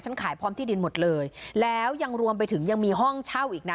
ขายพร้อมที่ดินหมดเลยแล้วยังรวมไปถึงยังมีห้องเช่าอีกนะ